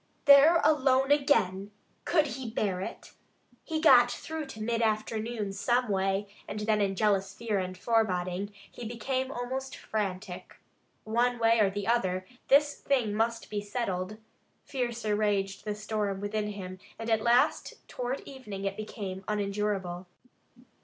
There alone again! Could he bear it? He got through to mid afternoon some way, and then in jealous fear and foreboding he became almost frantic. One way or the other, this thing must be settled. Fiercer raged the storm within him and at last toward evening it became unendurable.